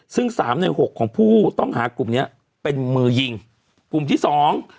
ซึ่งสามในหกของผู้ต้องหากลุ่มเนี้ยเป็นมือยิงกลุ่มที่สอง